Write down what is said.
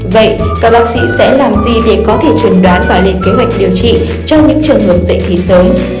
vậy các bác sĩ sẽ làm gì để có thể chuẩn đoán và lên kế hoạch điều trị trong những trường hợp dạy thì sớm